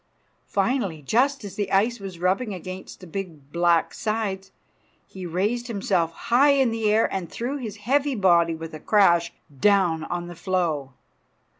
Finally, just as the ice was rubbing against the big black sides, he raised himself high in the air and threw his heavy body with a crash down on the floe.